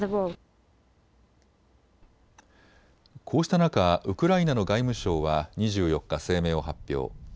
こうした中、ウクライナの外務省は２４日、声明を発表。